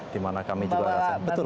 dimana kami juga merasa betul